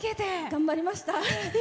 頑張りました。